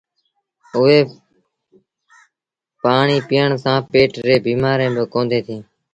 اُئي ڦآڻيٚ پيٚئڻ سآݩ پيٽ ريٚݩ بيٚمآريٚݩ با ڪونديٚݩ ٿئيٚݩ۔